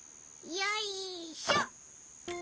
よいしょ。